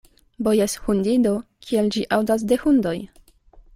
Bojas hundido, kiel ĝi aŭdas de hundoj.